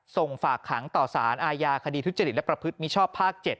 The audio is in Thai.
ส่งฝากขังต่อสารอาญาคดีทุจริตและประพฤติมิชชอบภาค๗